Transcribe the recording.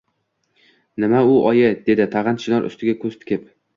Nima u, oyi? –dedi tag’in chinor uchiga ko’z tikib.